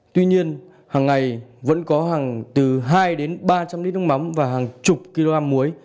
tuy nhiên hàng ngày vẫn có hàng từ hai đến ba trăm linh lít nước mắm và hàng chục kg muối